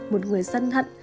một người sân hận